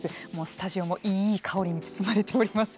スタジオもいい香りに包まれております。